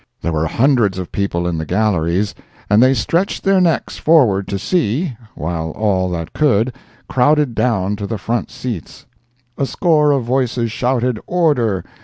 There were hundreds of people in the galleries, and they stretched their necks forward to see, while all that could, crowded down to the front seats. A score of voices shouted "Order!"